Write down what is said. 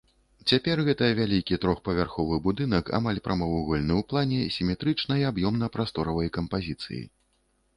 Цяпер гэта вялікі трохпавярховы будынак, амаль прамавугольны ў плане, сіметрычнай аб'ёмна-прасторавай кампазіцыі.